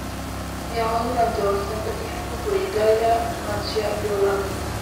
Viajó durante bastante tiempo por Italia, Francia y Holanda.